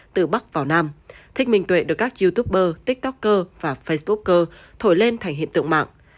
từ bắc vào nam thích minh tuệ được các youtuber tiktoker và facebooker thổi lên thành hiện tượng mạng